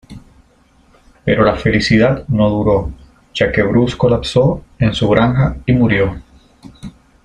Pero la felicidad no duro ya que Bruce colapso en su granja y murió.